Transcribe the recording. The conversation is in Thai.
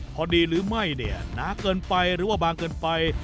พอดีหรือไม่เนี่ยหนาเกินไปหรือว่าบางเกินไป